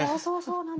そうそう。